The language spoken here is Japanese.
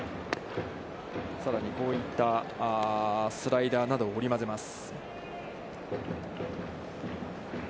さらにこういった、スライダーなどを織りまぜます。